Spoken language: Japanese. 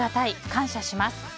感謝します。